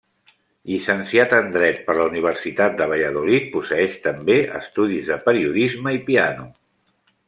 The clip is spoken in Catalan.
Llicenciat en Dret per la Universitat de Valladolid, posseeix també estudis de periodisme i piano.